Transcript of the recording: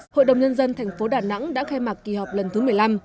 hội đồng nhân dân thành phố đà nẵng đã khai mạc kỳ họp lần thứ một mươi năm